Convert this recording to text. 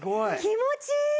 気持ちいい！